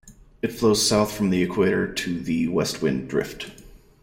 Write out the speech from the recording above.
It flows south from the equator to the west wind drift.